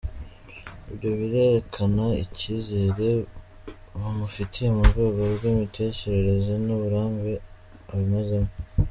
Ibyo bikerekana ikizere bamufitiye mu rwego rw’imitekerereze n’uburambe abimazemo.